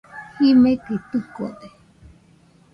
Jimekɨ tuikode.